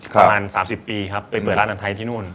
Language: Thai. ประมาณ๓๐ปีครับไปเปิดร้านอาหารไทยที่นู่น